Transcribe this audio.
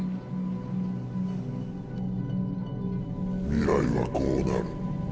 未来はこうなる。